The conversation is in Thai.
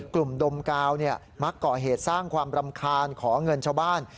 ดมกาวมักก่อเหตุสร้างความรำคาญขอเงินชาวบ้าน